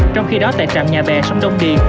trong khi đó tại trạm nhà bè sông đông điền